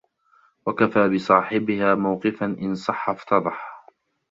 وَكَفَى بِصَاحِبِهَا مَوْقِفًا إنْ صَحَّ افْتَضَحَ